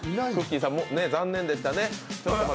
さんも残念でしたね。